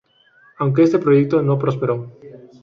Aunque este proyecto no prosperó.